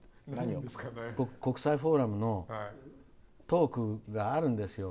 国際フォーラムのトークがあるんですよ